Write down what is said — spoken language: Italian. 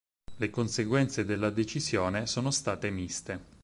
Le conseguenze della decisione sono state miste.